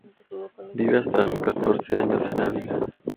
Vive hasta los catorce años en Ávila.